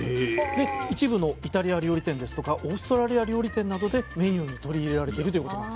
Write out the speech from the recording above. で一部のイタリア料理店ですとかオーストラリア料理店などでメニューに取り入れられてるということなんですよね。